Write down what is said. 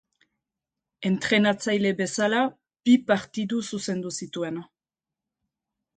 Entrenatzaile bezala, bi partidu zuzendu zituen.